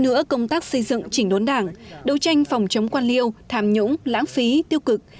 nữa công tác xây dựng chỉnh đốn đảng đấu tranh phòng chống quan liêu tham nhũng lãng phí tiêu cực